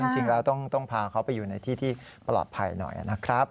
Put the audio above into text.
จริงแล้วต้องพาเขาไปอยู่ในที่ที่ปลอดภัยหน่อยนะครับ